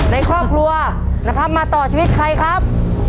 ในครอบครัวนะครับมาต่อชีวิตใครครับ